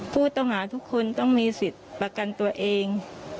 ผู้ต้องหาทุกคนต้องมีสิทธิ์ประกันตัวเอง